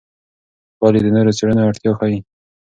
پایلې د نورو څېړنو اړتیا ښيي.